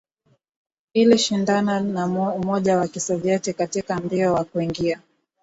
ilishindana na Umoja wa Kisovyeti katika mbio wa kuingia